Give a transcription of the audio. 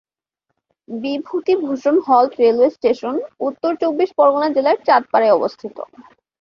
Bibhutibhushan halt railway station উত্তর চব্বিশ পরগণা জেলার চাঁদপাড়ায় অবস্থিত।